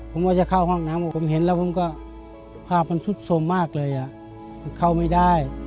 ผมเข้าห้องน้ำผมเห็นแล้วผมก็ถ้ามันชุดโทรมากเลยเข้าไม่ได้